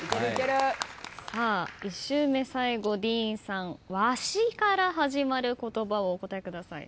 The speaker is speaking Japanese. １周目最後ディーンさん「わし」から始まる言葉をお答えください。